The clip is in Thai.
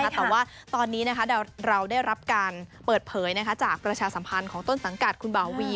แต่ว่าตอนนี้เราได้รับการเปิดเผยจากประชาสัมพันธ์ของต้นสังกัดคุณบ่าวี